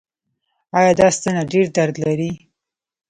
ایا دا ستنه ډیر درد لري؟